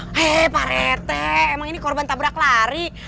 hei pak rete emang ini korban tabrak lari